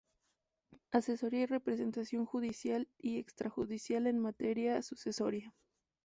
Asesoría y representación judicial y extrajudicial en materia sucesoria.